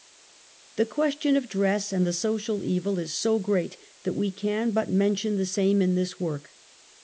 The question of dress and the social evil is so great that we can but mention the same in this work.